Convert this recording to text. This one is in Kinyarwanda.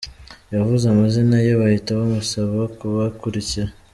Yavuze amazina ye, bahita bamusaba kubakurikira.